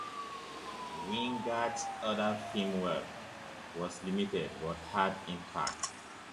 Wyngarde's other film work was limited but had impact.